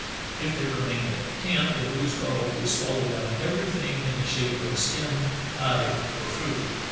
If they remained at the camp a loose dog would swallow down everything in the shape of skin, hide, or food.